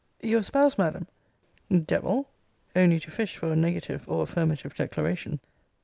Your SPOUSE, Madam, [Devil! only to fish for a negative or affirmative declaration.